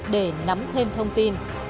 để nắm thêm thông tin